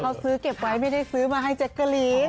เขาซื้อเก็บไว้ไม่ได้ซื้อมาให้แจ๊กกะลีน